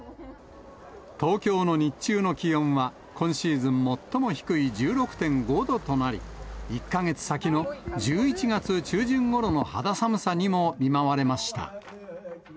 東京の日中の気温は今シーズン最も低い１６．５度となり、１か月先の１１月中旬ごろの肌寒さにも見舞われました。